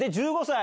１５歳。